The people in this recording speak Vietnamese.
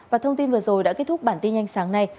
và thông tin vừa rồi đã kết thúc bản tin nhanh sáng nay